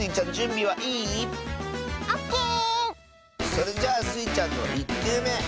それじゃあスイちゃんの１きゅうめ！